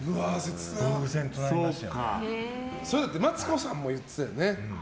マツコさんも言ってたよね